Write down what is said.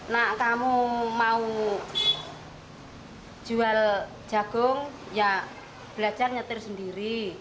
nak kamu mau jual jagung ya belajar nyetir sendiri